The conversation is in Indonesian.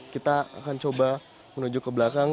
kita akan coba menuju ke belakang